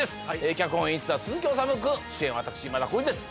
脚本・演出は鈴木おさむ君主演は私今田耕司です